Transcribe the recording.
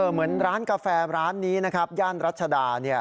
เหมือนร้านกาแฟร้านนี้นะครับย่านรัชดา